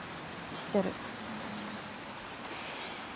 知ってる。